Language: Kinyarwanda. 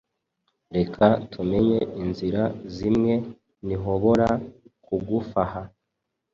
Reka tumenye inzira zimwe nhobora kugufaha ”